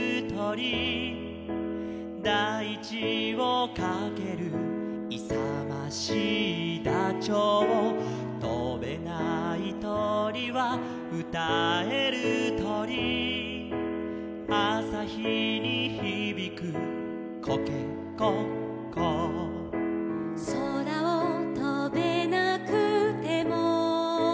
「だいちをかける」「いさましいダチョウ」「とべないとりはうたえるとり」「あさひにひびくコケコッコー」「そらをとべなくても」